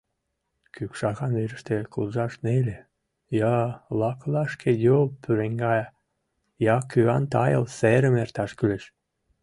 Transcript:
Кӱкшакан верыште куржаш неле: я лакылашке йол пуреҥгая, я кӱан тайыл серым эрташ кӱлеш.